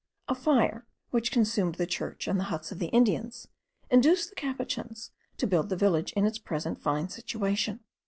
A fire, which consumed the church and the huts of the Indians, induced the Capuchins to build the village in its present fine situation.